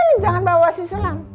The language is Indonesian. lu jangan bawa si sulam